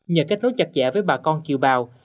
nhờ kết nối chặt chẽ với bà con kiều bào